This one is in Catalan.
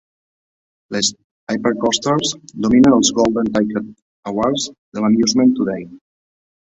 Les Hypercoasters dominen els Golden Ticket Awards de l'"Amusement Today".